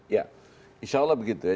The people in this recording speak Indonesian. ya insya allah begitu ya